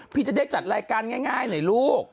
พี่จะได้จัดรายการง่ายหน่อยลูก